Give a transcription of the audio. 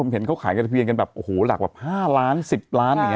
ผมเห็นเขาขายกับทะเบียนกันแบบโอ้โหหลักแบบห้าร้านสิบล้านอย่างเงี้ย